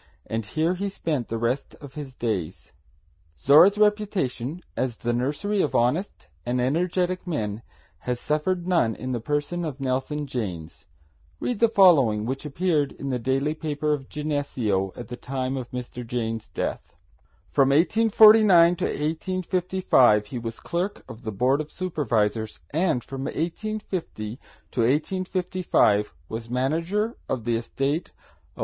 and here he spent the rest of his days. Zorra's reputation as the nursery of honest and energetic men has suffered none in the person of Nelson Janes. Read the following which appeared in the daily paper of Geneseo at the time of Mr. Janes' death: "From 1849 to 1855 he was clerk of the Board of Supervisors, and from 1850 to 1855 was manager of the estate of Wm.